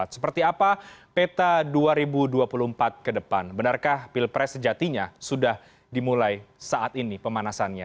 seperti apa peta dua ribu dua puluh empat ke depan benarkah pilpres sejatinya sudah dimulai saat ini pemanasannya